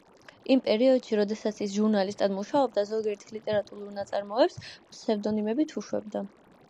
იმ პერიოდში, როდესაც ის ჟურნალისტად მუშაობდა, ზოგიერთ ლიტერატურულ ნაწარმოებს ფსევდონიმებით უშვებდა.